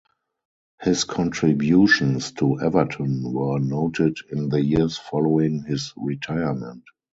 His contributions to Everton were noted in the years following his retirement.